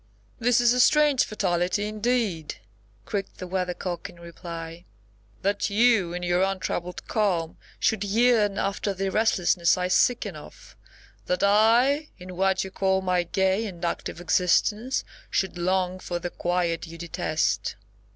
"This is a strange fatality, indeed!" creaked the Weathercock in reply, "that you, in your untroubled calm, should yearn after the restlessness I sicken of. That I, in what you call my gay and active existence, should long for the quiet you detest!"